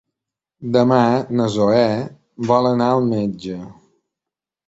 Demà na Zoè vol anar al metge.